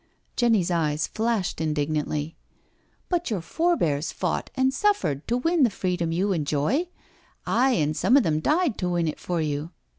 Jenny's eyes flashed indignantly. " But your forebears fought an' suffered to win the freedom you enjoy— aye, an' some of them died to win it for you.